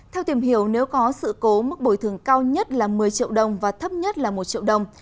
theo tìm hiểu nếu có sự cố mức bồi thường cao nhất là một mươi triệu đồng và thấp nhất là một triệu đồng